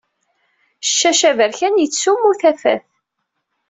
Ccac aberkan yettsummu tafat.